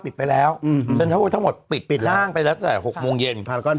ปิดไปแล้วอืมทั้งหมดปิดปิดล่างไปแล้วแต่หกโมงเย็นพารกอน